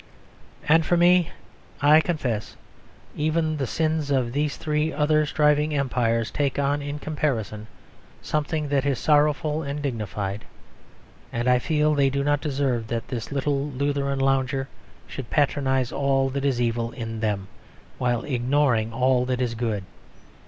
And for me, I confess, even the sins of these three other striving empires take on, in comparison, something that is sorrowful and dignified: and I feel they do not deserve that this little Lutheran lounger should patronise all that is evil in them, while ignoring all that is good.